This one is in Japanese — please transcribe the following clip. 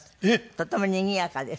とてもにぎやかです。